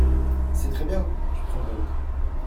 C’est très bien… je prendrai l’autre !…